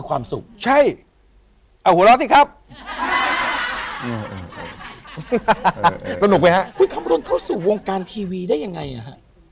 หัวเราะสิครับสนุกไหมฮะคุณคำรุนเข้าสู่วงการทีวีได้ยังไงอ่ะฮะ